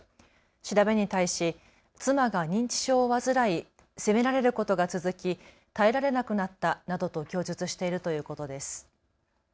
調べに対し妻が認知症を患い責められることが続き耐えられなくなったなどと供述しているということです。